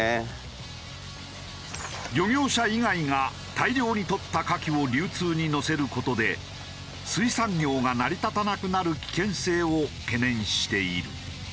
漁業者以外が大量に採ったカキを流通にのせる事で水産業が成り立たなくなる危険性を懸念している。